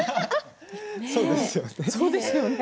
そうですよね。